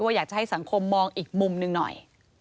อยากจะให้สังคมมองอีกมุมหนึ่งหน่อย